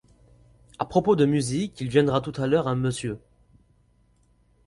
À propos de musique, il viendra tout à lʼheure un monsieur.